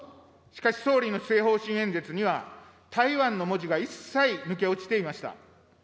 しかし、総理の施政方針演説には、台湾の文字が一切抜け落ちていました。